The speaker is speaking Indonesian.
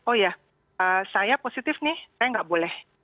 oh ya saya positif nih saya nggak boleh